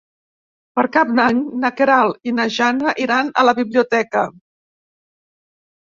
Per Cap d'Any na Queralt i na Jana iran a la biblioteca.